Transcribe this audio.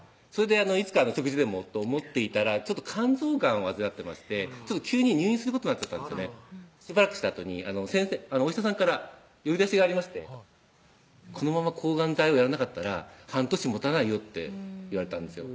いつか食事でもと想っていたら肝臓がんを患ってまして急に入院することになっちゃったんですねしばらくしたあとにお医者さんから呼び出しがありまして「このまま抗がん剤をやらなかったら半年もたないよ」って言われたんですよ